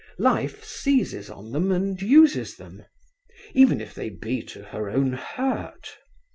Life seizes on them and uses them, even if they be to her own hurt.